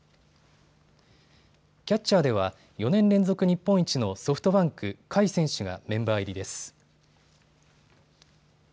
キャッチャーでは４年連続日本一のソフトバンク・甲斐選手がメンバー入りです。